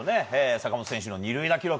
坂本選手の２塁打記録。